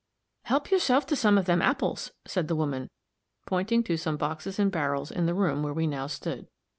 "Help yourself to some of them apples," said the woman, pointing to some boxes and barrels in the room where we now stood.